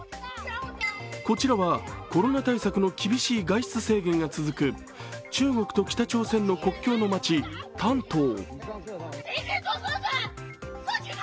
こちらはコロナ対策の厳しい外出制限が続く中国と北朝鮮の国境の街・丹東。